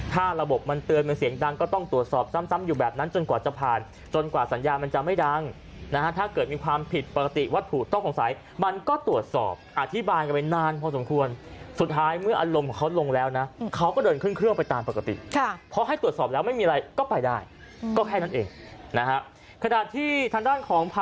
ถ้าระบบมันเตือนมันเสียงดังก็ต้องตรวจสอบซ้ำอยู่แบบนั้นจนกว่าจะผ่านจนกว่าสัญญามันจะไม่ดังนะฮะถ้าเกิดมีความผิดปกติวัตถุต้องสงสัยมันก็ตรวจสอบอธิบายกันไปนานพอสมควรสุดท้ายเมื่ออารมณ์ของเขาลงแล้วนะเขาก็เดินขึ้นเครื่องไปตามปกติค่ะเพราะให้ตรวจสอบแล้วไม่มีอะไรก็ไปได้ก็แค่นั้นเองนะฮะขณะที่ทางด้านของพ